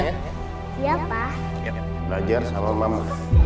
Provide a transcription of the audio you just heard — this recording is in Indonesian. belajar sama mama